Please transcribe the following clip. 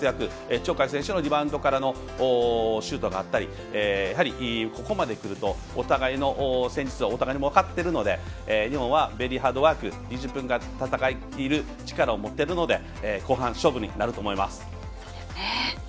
鳥海選手のリバウンドからのシュートがあったりここまでくるとお互いの戦術はお互いに分かってるので日本はベリーハードワーク戦いきる力を持っているので後半勝負になると思います。